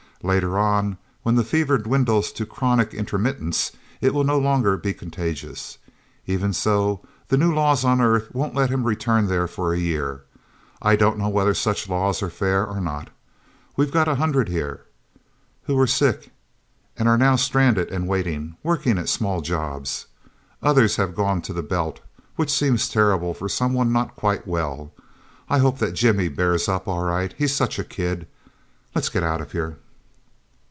Later on, when the fever dwindles to chronic intermittence, it will no longer be contagious. Even so, the new laws on Earth won't let him return there for a year. I don't know whether such laws are fair or not. We've got a hundred here, who were sick, and are now stranded and waiting, working at small jobs. Others have gone to the Belt which seems terrible for someone not quite well. I hope that Jimmy bears up all right he's such a kid... Let's get out of here..."